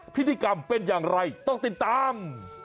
พิธีกรรมเป็นอย่างไรต้องติดตาม